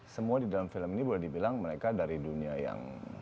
semua di dalam film ini boleh dibilang mereka dari dunia yang